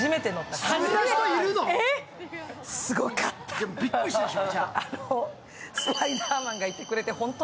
じゃあびっくりしたでしょ。